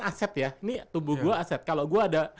aset ya ini tubuh gue aset kalau gue ada